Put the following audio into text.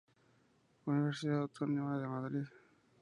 Universidad Autónoma de Madrid.